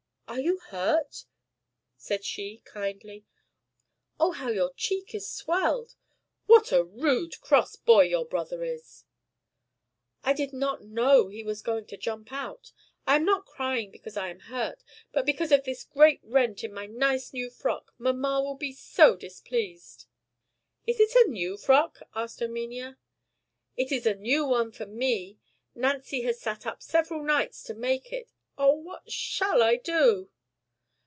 "Are you hurt?" said she, kindly. "Oh, how your cheek is swelled! What a rude, cross boy your brother is!" "I did not know he was going to jump out. I am not crying because I am hurt, but because of this great rent in my nice new frock. Mamma will be so displeased." "Is it a new frock?" asked Erminia. "It is a new one for me. Nancy has sat up several nights to make it. Oh! what shall I do?"